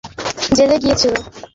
তা কী কাজ করে জেলে গিয়েছিলে?